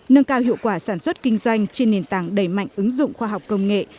nâng cao hiệu quả sản xuất kinh doanh trên nền tảng đầy mạnh ứng dụng khoa học công nghệ